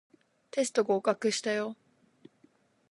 テスト合格したよ